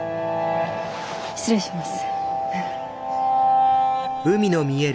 失礼します。